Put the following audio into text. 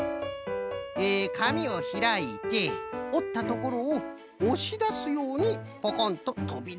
えかみをひらいておったところをおしだすようにポコンととびださせる。